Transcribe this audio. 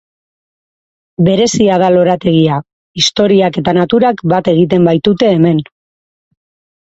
Berezia da lorategia, historiak eta naturak bat egiten baitute hemen.